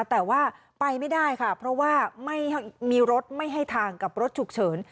แต่ว่าไปไม่ได้ค่ะเพราะว่าไม่มีรถไม่ให้ทางกับรถฉุกเฉิน